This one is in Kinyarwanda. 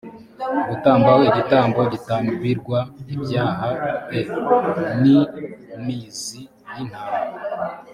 gutamba ho igitambo gitambirwa ibyaha e n im zi y intama